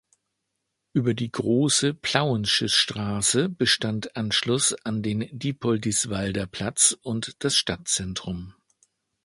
Über die Große Plauensche Straße bestand Anschluss an den Dippoldiswalder Platz und das Stadtzentrum.